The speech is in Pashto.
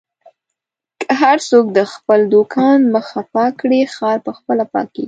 که هر څوک د خپل دوکان مخه پاکه کړي، ښار په خپله پاکېږي.